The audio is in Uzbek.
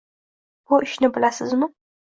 Вu ishni bilasizmi?